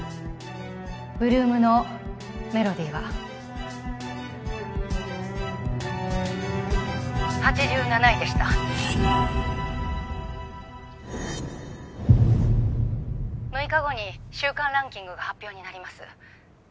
８ＬＯＯＭの「Ｍｅｌｏｄｙ」は☎８７位でした☎６日後に週間ランキングが発表になります